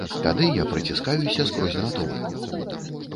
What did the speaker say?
Тады я праціскаюся скрозь натоўп.